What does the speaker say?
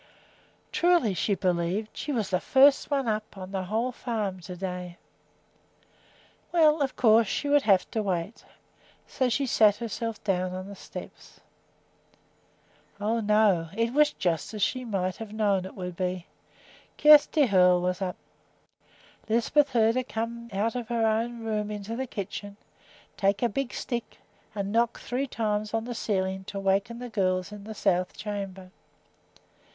Truly, she believed she was the first one up on the whole farm to day. Well, of course she would have to wait. So she sat herself down on the steps. Oh, no; it was just as she might have known it would be. Kjersti Hoel was up. Lisbeth heard her come out of her own room into the kitchen, take a big stick, and knock three times on the ceiling to waken the girls in the south chamber.